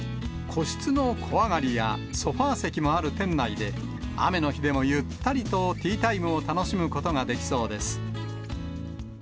個室の小上がりや、ソファ席もある店内で、雨の日でもゆったりとティータイムを楽しむことができそうです。